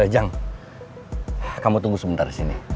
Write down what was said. jang kamu tunggu sebentar di sini